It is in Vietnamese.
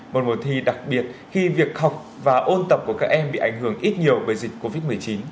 một mùa thi đặc biệt khi việc học và ôn tập của các em bị ảnh hưởng ít nhiều bởi dịch covid một mươi chín